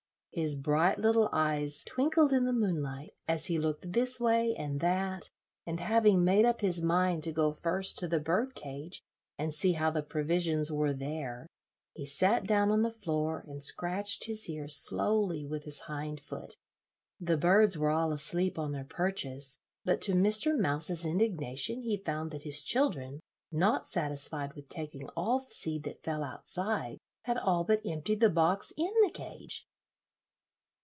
His bright little eyes twinkled in the moonlight as he looked this way and that, and having made up his mind to go first to the bird cage and see how the provisions were there, he sat down on the floor and scratched his ear slowly with his hind foot. The birds were all asleep on their perches; but to Mr. Mouse's indignation he found that his children, not satisfied with taking all the seed that fell outside, had all but emptied the box in the cage.